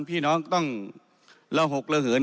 พี่น้องต้องระหกระเหิน